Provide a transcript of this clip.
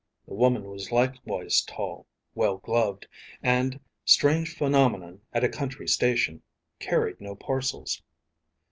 The woman was likewise tall, well gloved, and, strange phenomenon at a country station, carried no parcels.